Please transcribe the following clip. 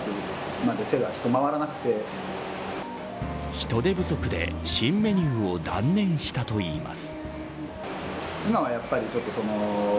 人手不足で、新メニューを断念したといいます。